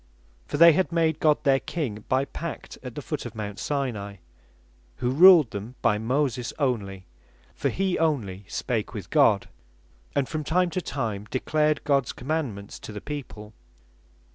For they had made God their King by pact at the foot of Mount Sinai; who ruled them by Moses only; for he only spake with God, and from time to time declared Gods Commandements to the people.